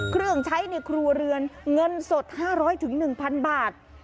เครื่องใช้ในครัวเรือนเงินสด๕๐๐๑๐๐บาท